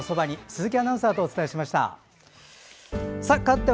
鈴木アナウンサーとお伝えしました。